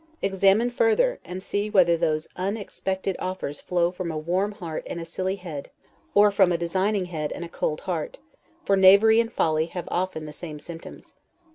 Examine further, and see whether those unexpected offers flow from a warm heart and a silly head, or from a designing head and a cold heart; for knavery and folly have often the same symptoms.